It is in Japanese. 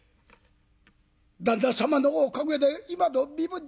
旦那様のおかげで今の身分に。